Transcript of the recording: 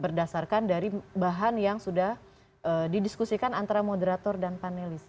berdasarkan dari bahan yang sudah didiskusikan antara moderator dan panelis